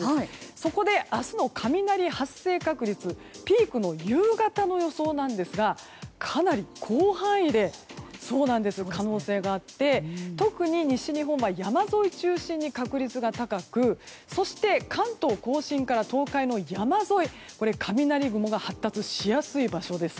そこで、明日の雷発生確率ピークの夕方の予想ですがかなり広範囲で可能性があって特に西日本は山沿い中心に確率が高くそして関東・甲信から東海の山沿いは雷雲が発達しやすい場所です。